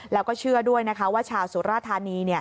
แล้วก็เชื่อด้วยนะคะว่าชาวสุราธานี